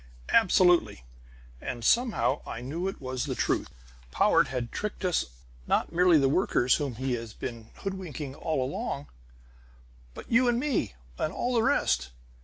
"Absolutely. And somehow I knew it was the truth." "Powart had tricked us; not merely the workers, whom he has been hoodwinking all along, but you and me and all the rest!